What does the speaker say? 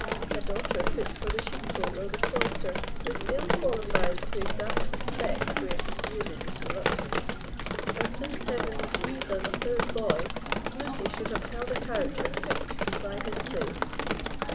A daughter fit for the sheepfold or the cloister is ill qualified to exact respect where it is yielded with reluctance; and since Heaven refused us a third boy, Lucy should have held a character fit to supply his place.